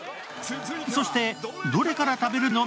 そしてどれから食べるの？